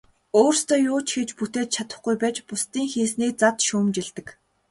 Өөрсдөө юу ч хийж бүтээж чадахгүй байж бусдын хийснийг зад шүүмжилдэг.